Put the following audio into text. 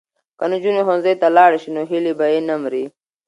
که نجونې ښوونځي ته لاړې شي نو هیلې به یې نه مري.